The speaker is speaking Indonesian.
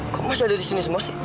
kamu masih ada di sini semua sih